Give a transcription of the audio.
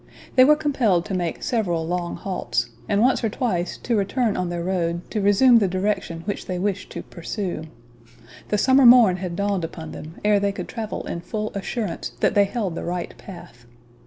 They were compelled to make several long halts, and once or twice to return on their road to resume the direction which they wished to pursue. The summer morn had dawned upon them ere they could travel in full assurance that they held the right path.